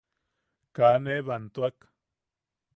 Kaa ne bantuak.